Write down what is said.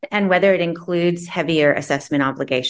dan apakah itu mengunggah kebutuhan penilaian lebih kuat